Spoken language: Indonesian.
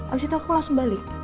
abis itu aku langsung balik